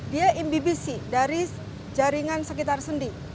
dia imbibisi dari jaringan sekitar sendi